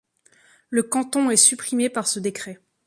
Le canton est supprimé par ce décret.